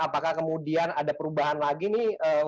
apakah kemudian ada perubahan lagi nih